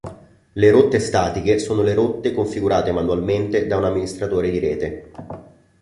Le rotte statiche sono le rotte configurate manualmente da un amministratore di rete.